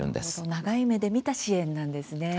長い目で見た支援なんですね。